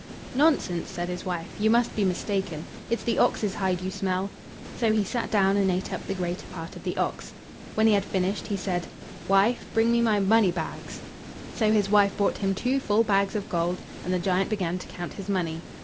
"Nonsense!" said his wife; "you must be mistaken. It's the ox's hide you smell." So he sat down, and ate up the greater part of the ox. When he had finished he said: "Wife, bring me my money bags." So his wife brought him two full bags of gold, and the giant began to count his money.